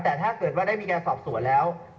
แต่ถ้าเกิดว่าได้มีการสอบสวนแล้ว